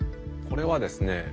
これはですね